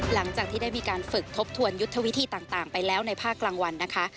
หลังจากที่ได้มีการฝึกทบทวนยุทธวิธีต่างไปแล้วในภาคกลางวันนะคะ